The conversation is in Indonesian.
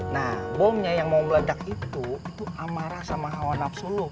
nah bomnya yang mau meledak itu itu amarah sama hawa nafsulu